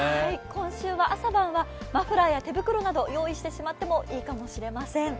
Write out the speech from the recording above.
今週は朝晩はマフラーや手袋など用意してしまってもいいかもしれません。